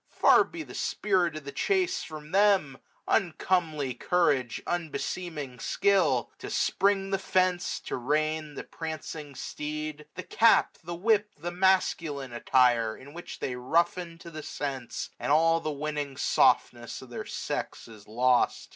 Far be the spirit of the chase from them ; Uncomely courage, unbeseeming skill ; To spring the fence, to rein the prancing steed j S7S The cap, the whip, the masculine attire. In which they roughen to the sense, and all The winning softness of their sex is lost.